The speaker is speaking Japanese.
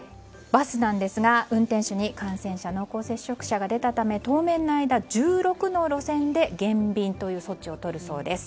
バスなんですが運転手に感染者、濃厚接触者が出たため当面の間１６の路線で減便という措置をとるそうです。